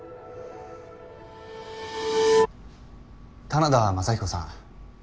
棚田雅彦さん。